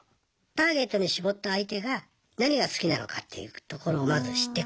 ターゲットに絞った相手が何が好きなのかっていうところをまず知っていくところからね。